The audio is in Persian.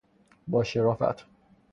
باشرافت